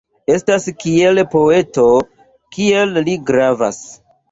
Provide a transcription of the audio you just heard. Estas kiel poeto kiel li gravas.